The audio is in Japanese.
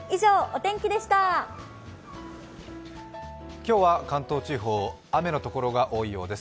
今日は関東地方雨の所が多いようです。